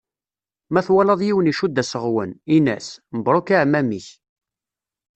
Ma twalaḍ yiwen icudd aseɣwen, ini-yas: mebruk aεmam-ik.